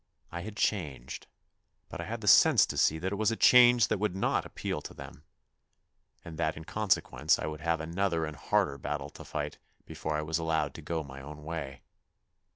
I had changed, but I had the sense to see that it was a change that would not appeal to them, and that in consequence I would have another and harder battle to fight before I was allowed to go my own way.